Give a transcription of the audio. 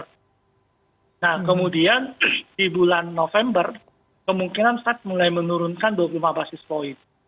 nah kemudian di bulan november kemungkinan fed mulai menurunkan dua puluh lima basis point